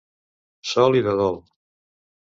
Sol i de dol.